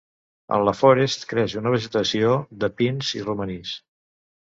En la forest creix una vegetació de pins i romanís.